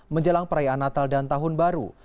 menjelang perayaan natal dan tahun baru